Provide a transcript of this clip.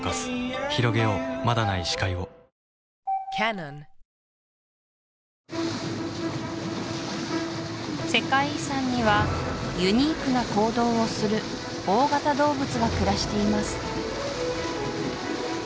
まだない視界を世界遺産にはユニークな行動をする大型動物が暮らしています